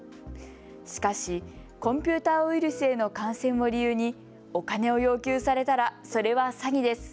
しかしコンピューターウイルスへの感染を理由にお金を要求されたらそれは詐欺です。